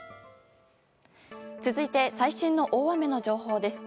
続いて、最新の大雨の情報です。